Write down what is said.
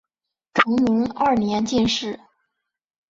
崇宁二年进士。